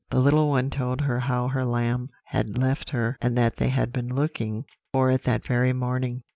The little one told her how her lamb had left her, and that they had been looking for it that very morning.